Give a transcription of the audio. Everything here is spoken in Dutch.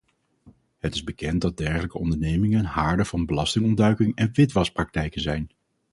Het is bekend dat dergelijke ondernemingen haarden van belastingontduiking en witwaspraktijken zijn.